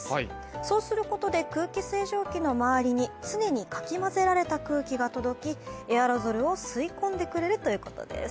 そうすることで空気清浄機の周りに常にかき混ぜられた空気が届きエアロゾルを吸い込んでくれるということです。